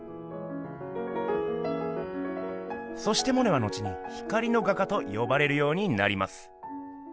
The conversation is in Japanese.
そしてモネは後に「光の画家」と呼ばれるようになります。